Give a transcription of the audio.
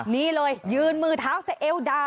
นี่เลยยืนมือเท้าใส่เอวด่า